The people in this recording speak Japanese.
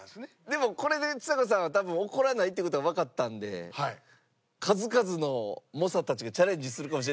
でもこれでちさ子さんは多分怒らないっていう事がわかったので数々の猛者たちがチャレンジするかもしれないですね。